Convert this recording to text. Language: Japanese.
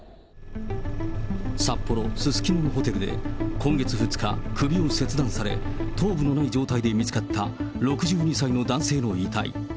札幌・すすきののホテルで今月２日、首を切断され、頭部のない状態で見つかった６２歳の男性の遺体。